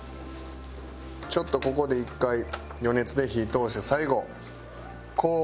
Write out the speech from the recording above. ちょっとここで１回余熱で火を通して最後。